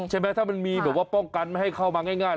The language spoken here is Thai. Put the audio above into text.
ใช่ไหมถ้ามันมีแบบว่าป้องกันไม่ให้เข้ามาง่าย